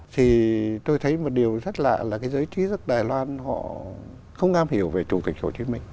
thì tôi thấy một điều rất lạ là cái giới trí thức đài loan họ không am hiểu về chủ tịch hồ chí minh